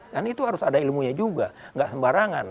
dan itu harus ada ilmunya juga enggak sembarangan